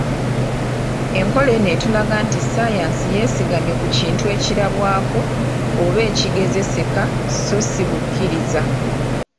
Enkola eno etulaga nti ssaayansi yeesigamye ku kintu ekirabwako oba ekigezeseka so si bukkiriza.